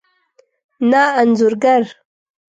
نه انځور ګر